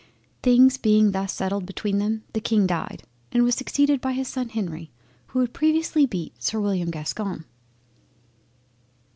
Things being thus settled between them the King died, and was succeeded by his son Henry who had previously beat Sir William Gascoigne.